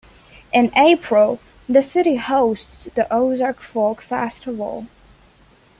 In April, the city hosts the Ozark Folk Festival.